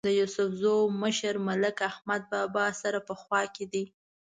د یوسفزو مشر ملک احمد بابا سره په خوا کې دی.